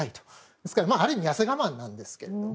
ですから、ある意味やせ我慢なんですけれども。